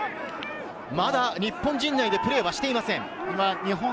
まだ日本陣内でプレーしていません。